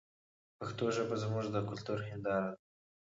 پښتو ژبه زموږ د کلتور هنداره ده.